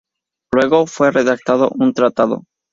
Luego, fue redactado un tratado.